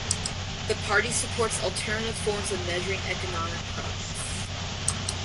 The party supports alternative forms of measuring economic progress.